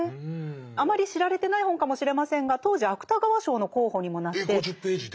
あまり知られてない本かもしれませんが当時芥川賞の候補にもなって。